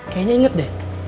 kayaknya inget deh